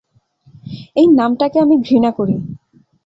এই নামটাকে আমি ঘৃণা করি!